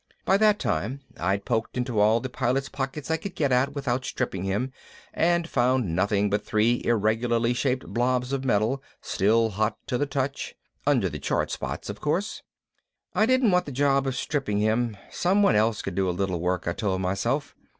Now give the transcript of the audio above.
By that time I'd poked into all the Pilot's pockets I could get at without stripping him and found nothing but three irregularly shaped blobs of metal, still hot to the touch. Under the charred spots, of course. I didn't want the job of stripping him. Somebody else could do a little work, I told myself.